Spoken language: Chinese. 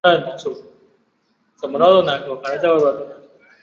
此说法已经逐渐没落。